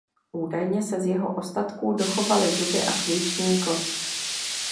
Údajně se z jeho ostatků dochovaly zuby a klíční kost.